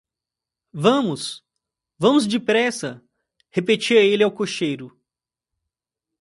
Vamos, vamos depressa, repetia ele ao cocheiro.